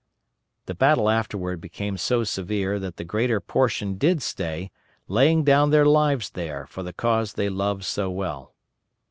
"_ The battle afterward became so severe that the greater portion did stay, laying down their lives there for the cause they loved so well.